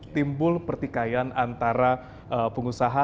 timbul pertikaian antara pengusaha